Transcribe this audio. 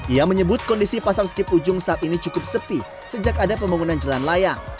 ia menyebut kondisi pasar skip ujung saat ini cukup sepi sejak ada pembangunan jalan layang